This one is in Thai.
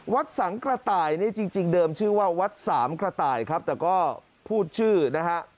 วัดสังกระต่ายนี่จริงเดิมชื่อว่าวัดสามกระต่ายครับแต่ก็พูดชื่อนะฮะ